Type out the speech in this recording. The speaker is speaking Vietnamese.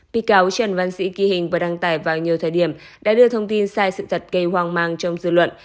bị cáo trần văn sĩ ghi hình và đăng tải vào nhiều thời điểm đã đưa thông tin sai sự thật gây hoang mang trong dư luận